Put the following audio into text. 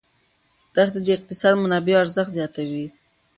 دښتې د اقتصادي منابعو ارزښت زیاتوي.